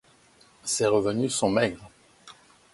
Ses revenus sont maigres.